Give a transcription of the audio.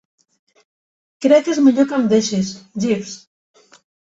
Crec que és millor que em deixis, Jeeves.